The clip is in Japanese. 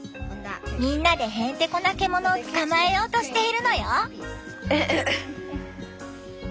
みんなでへんてこな獣を捕まえようとしているのよ。